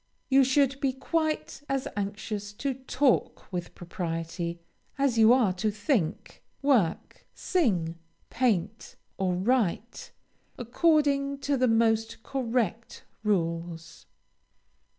You should be quite as anxious to talk with propriety as you are to think, work, sing, paint, or write, according to the most correct rules.